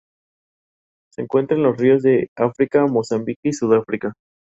Locke le explica a Ilana que lo último que recuerda es que estaba muriendo.